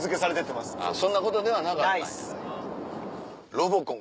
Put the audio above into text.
ロボコン？